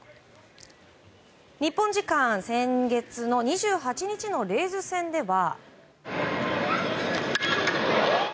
日本時間、先月の２８日のレイズ戦では。